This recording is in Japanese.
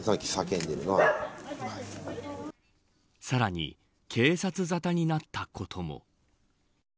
さらに警察ざたになったことも。